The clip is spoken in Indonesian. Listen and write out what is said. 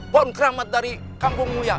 pohon keramat dari kampung muya